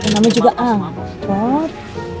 kamu juga angkat